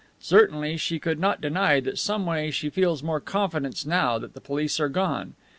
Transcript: Certainly she could not deny that some way she feels more confidence now that the police are gone.